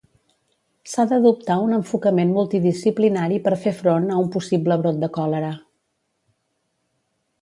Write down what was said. S'ha d'adoptar un enfocament multidisciplinari per fer front a un possible brot de còlera.